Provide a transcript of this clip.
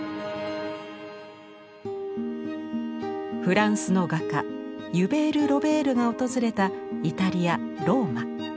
フランスの画家ユベール・ロベールが訪れたイタリアローマ。